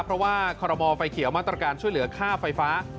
เพราะว่าคอรมอไฟเขียวมาตรการช่วยเหลือค่าไฟฟ้า